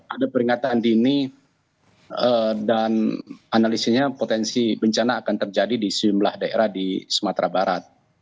ada peringatan dini dan analisanya potensi bencana akan terjadi di sejumlah daerah di sumatera barat